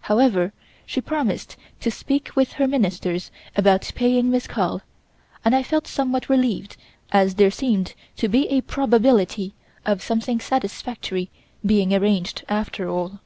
However, she promised to speak with Her Ministers about paying Miss Carl, and I felt somewhat relieved as there seemed to be a probability of something satisfactory being arranged after all.